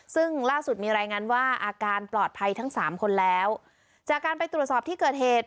ซึ่งล่าสุดมีรายงานว่าอาการปลอดภัยทั้งสามคนแล้วจากการไปตรวจสอบที่เกิดเหตุ